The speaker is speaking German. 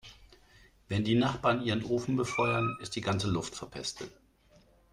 Wenn die Nachbarn ihren Ofen befeuern, ist die ganze Luft verpestet.